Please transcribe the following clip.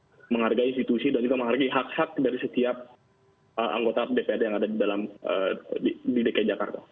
dan kami juga menghargai institusi dan kita menghargai hak hak dari setiap anggota dpd yang ada di dki jakarta